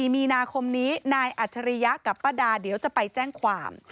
มีนาคมนี้นายอัจฉริยะกับป้าดาเดี๋ยวจะไปแจ้งความ